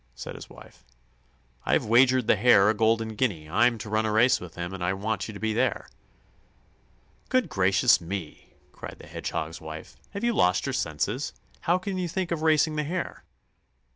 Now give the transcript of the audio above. said his wife. "I've wagered the Hare a golden guinea. I'm to run a race with him, and I want you to be there." "Good gracious me!" cried the Hedgehog's wife. "Have you lost your senses? How can you think of racing the Hare?"